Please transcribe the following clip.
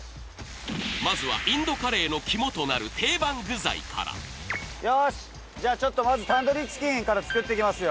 まずはインドカレーの肝となる定よーし、じゃあちょっとまずタンドリーチキンから作っていきますよ。